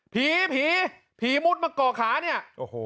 ผีผีมุดมาก่อขาเนี่ย